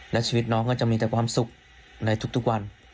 และชีวิตน้องก็จะมีแต่ความสุขในทุกวัน